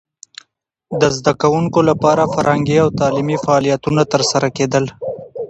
د زده کوونکو لپاره فرهنګي او تعلیمي فعالیتونه ترسره کېدل.